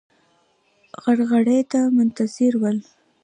غرغړې ته منتظر ول.